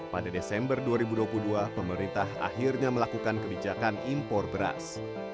pada desember dua ribu dua puluh dua pemerintah akhirnya melakukan kebijakan impor beras